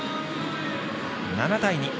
７対２。